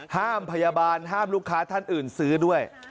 พยาบาลห้ามลูกค้าท่านอื่นซื้อด้วย